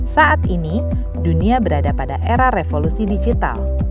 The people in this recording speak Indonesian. saat ini dunia berada pada era revolusi digital